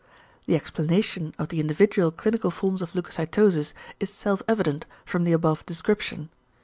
The explanation of the individual clinical forms of leucocytosis is self evident from the above description.